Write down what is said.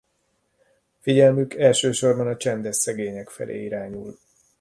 Figyelmük elsősorban a csendes szegények felé irányul.